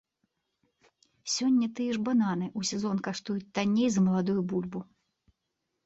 Сёння тыя ж бананы ў сезон каштуюць танней за маладую бульбу.